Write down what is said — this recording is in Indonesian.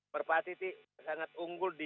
merpati sangat unggul di